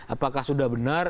apakah sudah benar